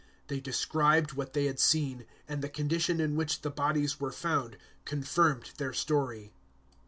They described what they had seen, and the condition in which the bodies were found confirmed their story.